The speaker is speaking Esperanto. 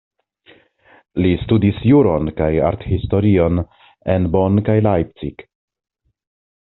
Li studis juron kaj arthistorion en Bonn kaj Leipzig.